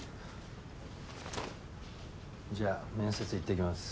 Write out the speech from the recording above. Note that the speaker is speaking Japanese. じゃあ面接行ってきます。